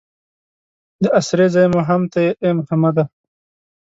د اسرې ځای مو هم ته یې ای محمده.